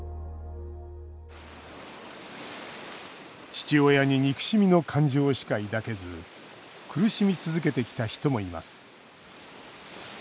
父親に憎しみの感情しか抱けず苦しみ続けてきた人もいます。